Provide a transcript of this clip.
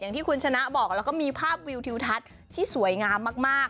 ที่คุณชนะบอกแล้วก็มีภาพวิวทิวทัศน์ที่สวยงามมาก